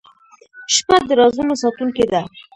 • شپه د رازونو ساتونکې ده.